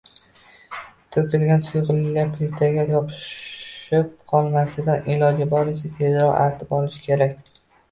To‘kilgan suyuqlik plitaga yopishib qolmasidan, iloji boricha tezroq artib olish kerak